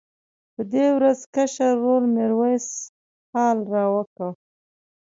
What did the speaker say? په دې ورځ کشر ورور میرویس حال راوکړ.